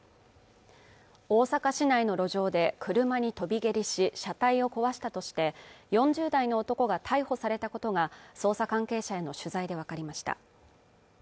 大阪市内の路上で車に飛び蹴りし車体を壊したとして４０代の男が逮捕されたことが捜査関係者への取材で分かりました